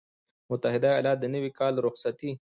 متحده ایالات - د نوي کال رخصتي